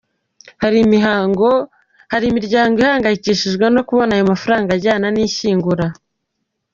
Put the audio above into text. Hari imiryango ihangayikishwa no kubona ayo mafaranga ajyana n’ishyingura.